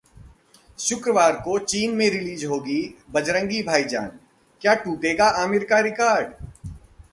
शुक्रवार को चीन में रिलीज होगी बजरंगी भाईजान, क्या टूटेगा आमिर का रिकॉर्ड?